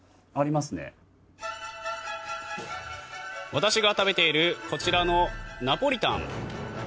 私が食べているこちらのナポリタン。